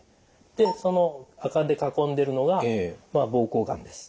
でその赤で囲んでるのが膀胱がんです。